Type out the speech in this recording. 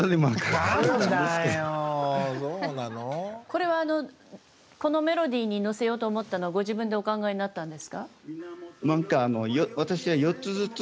これはこのメロディーにのせようと思ったのはご自分でお考えになったんですか？